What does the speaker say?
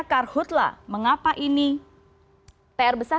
karhutlah mengapa ini pr besar